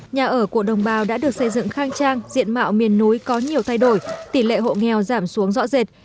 nhà ở của đồng bào đã được xây dựng khang trang diện mạo miền núi có nhiều thay đổi tỷ lệ hộ nghèo giảm xuống rõ rệt